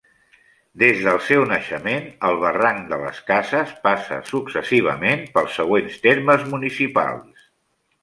Des del seu naixement, el Barranc de les Cases passa successivament pels següents termes municipals.